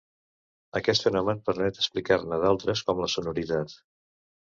Aquest fenomen permet explicar-ne d'altres com la sonoritat.